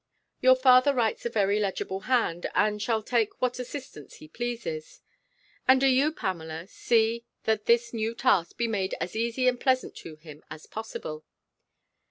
Your father writes a very legible hand, and shall take what assistants he pleases; and do you, Pamela, see that this new task be made as easy and pleasant to him as possible.